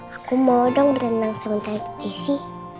aku mau dong berenang sama tante jessi